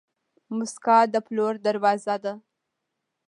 موسکا د پلور دروازه ده.